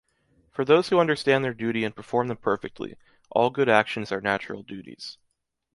For those who understand their duty and perform them perfectly, all good actions are natural duties.